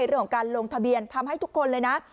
เรื่องของการลงทะเบียนทำให้ทุกคนเลยนะ